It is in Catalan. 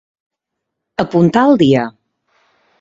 Apuntar el dia.